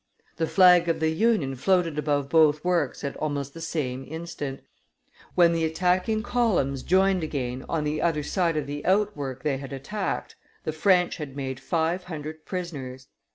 The flag of the Union floated above both works at almost the same instant; when the attacking columns joined again on the other side of the outwork they had attacked, the French had made five hundred prisoners.